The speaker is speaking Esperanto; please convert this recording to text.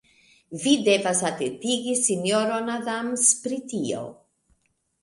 Vi devas atentigi sinjoron Adams pri tio.